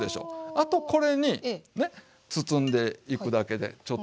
あとこれにね包んでいくだけでちょっと。